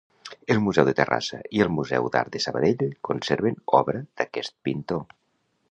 El Museu de Terrassa i el Museu d'Art de Sabadell conserven obra d'aquest pintor.